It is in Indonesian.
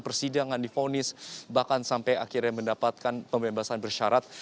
persidangan difonis bahkan sampai akhirnya mendapatkan pembebasan bersyarat